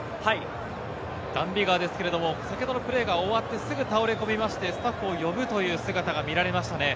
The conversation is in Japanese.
ダン・ビガーですけれども、先ほどのプレーが終わってすぐ倒れ込んで、スタッフを呼ぶという姿が見られましたね。